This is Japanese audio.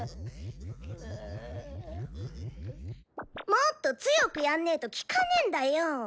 もっと強くやんねーときかねーんだよ！